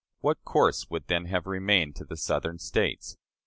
What course would then have remained to the Southern States?